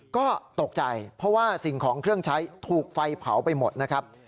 ก็ตกใจเพราะว่าสิ่งของเครื่องใช้ถูกไฟเผาไปหมดนะครับ